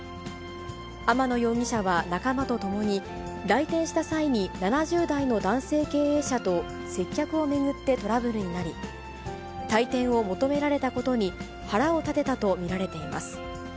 天野容疑者は仲間と共に、来店した際に７０代の男性経営者と接客を巡ってトラブルになり、退店を求められたことに腹を立てたと見られています。